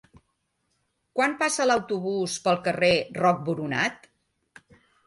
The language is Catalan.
Quan passa l'autobús pel carrer Roc Boronat?